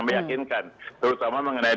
meyakinkan terutama mengenai